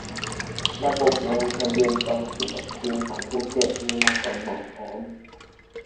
ระบบลงทะเบียนจองฉีดวัคซีนของภูเก็ตมีมาก่อน หมอพร้อม